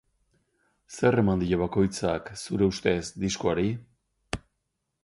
Zer eman dio bakoitzak, zure ustez, diskoari?